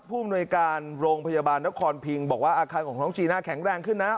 อำนวยการโรงพยาบาลนครพิงบอกว่าอาคารของน้องจีน่าแข็งแรงขึ้นนะ